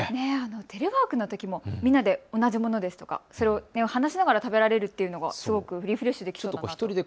テレワークのときもみんなで同じものですとか、話しながら食べられるというのはすごくリフレッシュできそうですね。